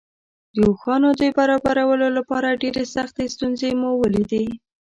د اوښانو د برابرولو لپاره ډېرې سختې ستونزې مو ولیدې.